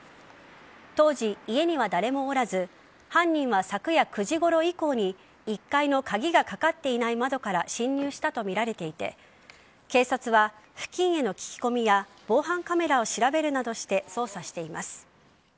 当時、家には誰もおらず犯人は昨夜９時ごろ以降に１階の鍵がかかっていない窓から侵入したとみられていて警察は付近への聞き込みや防犯カメラを調べるなどして捜査しています。